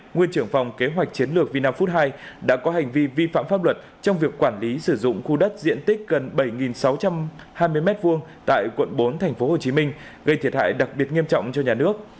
nguyên trưởng phòng kế hoạch chiến lược vina food hai đã có hành vi vi phạm pháp luật trong việc quản lý sử dụng khu đất diện tích gần bảy sáu trăm hai mươi m hai tại quận bốn tp hcm gây thiệt hại đặc biệt nghiêm trọng cho nhà nước